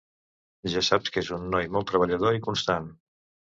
Ja saps que és un noi molt treballador i constant.